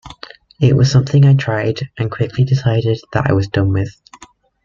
It was something that I tried and quickly decided that I was done with.